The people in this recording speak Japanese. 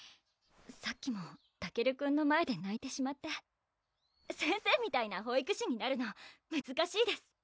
さっきもたけるくんの前でないてしまって先生みたいな保育士になるのむずかしいです